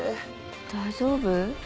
大丈夫？